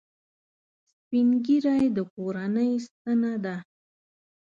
سپین ږیری د کورنۍ ستنه ده